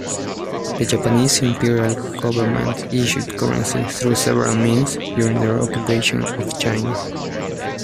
The Japanese Imperial Government issued currency through several means during their occupation of China.